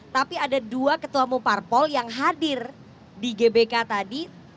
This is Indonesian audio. tapi ada dua ketua mumparpol yang hadir di gbk tadi